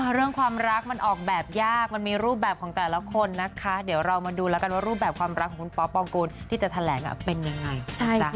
เรื่องความรักมันออกแบบยากมันมีรูปแบบของแต่ละคนนะคะเดี๋ยวเรามาดูแล้วกันว่ารูปแบบความรักของคุณป๊อปปองกูลที่จะแถลงเป็นยังไง